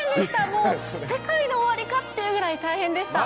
もう世界の終わりかっていうぐらい大変でした。